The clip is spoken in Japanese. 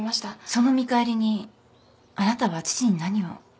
その見返りにあなたは父に何を。